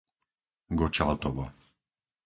Gočaltovo